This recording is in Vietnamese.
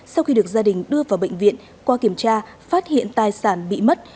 sau khi được gia đình đưa vào bệnh viện qua kiểm tra phát hiện tài sản bị mất